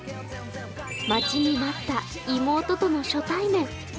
待ちに待った妹との初対面。